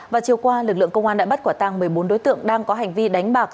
và chiều qua lực lượng công an đã bắt quả tăng một mươi bốn đối tượng đang có hành vi đánh bạc